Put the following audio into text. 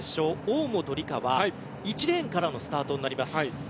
大本里佳は１レーンからのスタートになります。